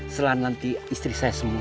selan nanti istri saya semua